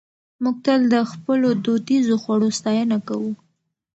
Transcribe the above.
موږ تل د خپلو دودیزو خوړو ستاینه کوو.